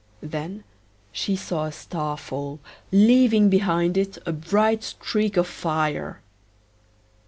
Then she saw a star fall, leaving behind it a bright streak of fire.